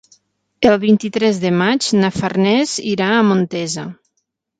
El vint-i-tres de maig na Farners irà a Montesa.